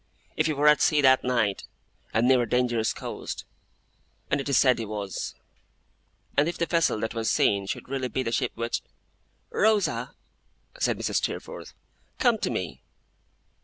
If he were at sea that night, and near a dangerous coast, as it is said he was; and if the vessel that was seen should really be the ship which ' 'Rosa!' said Mrs. Steerforth, 'come to me!